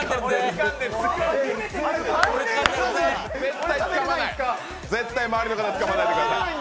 絶対つかまない、周りの方、つかまないでください。